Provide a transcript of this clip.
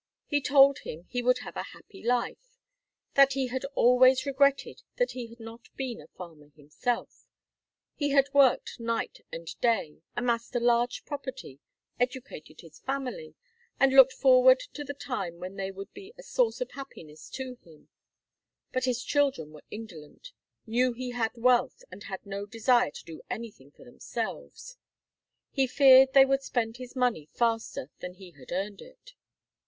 He told him he would have a happy life; that he had always regretted he had not been a farmer himself. He had worked night and day, amassed a large property, educated his family, and looked forward to the time when they would be a source of happiness to him; but his children were indolent, knew he had wealth, and had no desire to do anything for themselves; he feared they would spend his money faster than he had earned it.